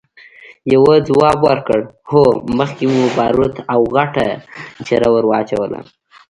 يوه ځواب ورکړ! هو، مخکې مو باروت او غټه چره ور واچوله!